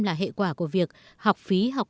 là hệ quả của việc học phí học